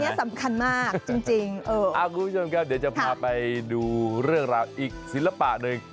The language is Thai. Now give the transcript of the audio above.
อันนี้สำคัญมากจริงคุณผู้ชมครับเดี๋ยวจะพาไปดูเรื่องราวอีกศิลปะหนึ่ง